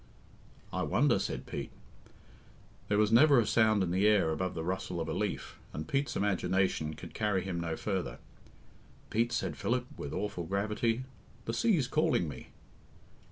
"I wonder," said Pete. There was never a sound in the air above the rustle of a leaf, and Pete's imagination could carry him no further. "Pete," said Philip, with awful gravity, "the sea's calling me."